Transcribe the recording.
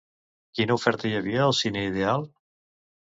Quina oferta hi havia al Cine Ideal?